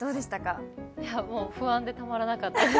不安でたまらなかったです。